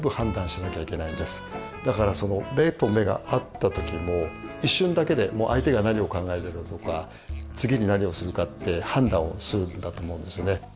だからその目と目が合った時も一瞬だけでもう相手が何を考えてるとか次に何をするかって判断をするんだと思うんですね。